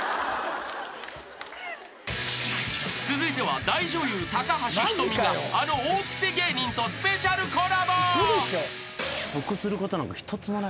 ［続いては大女優高橋ひとみがあの大クセ芸人とスペシャルコラボ］